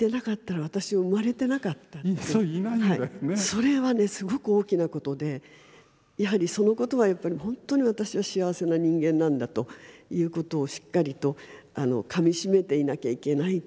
それはねすごく大きなことでやはりそのことはやっぱり本当に私は幸せな人間なんだということをしっかりとかみしめていなきゃいけない。